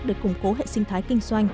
để củng cố hệ sinh thái kinh doanh